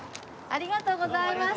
ありがとうございます。